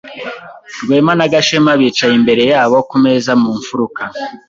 Rwema na Gashema bicaye imbere yabo ku meza mu mfuruka.